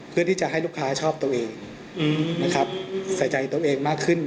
เพื่อที่จะให้ลูกค้าชอบตัวเองนะครับใส่ใจตัวเองมากขึ้น